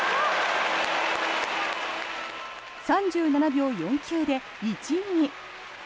３７秒４９で１位に。